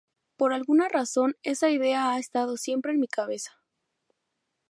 Por alguna razón esa idea ha estado siempre en mi cabeza.